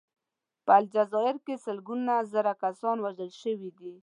په الجزایر کې سلګونه زره کسان وژل شوي دي.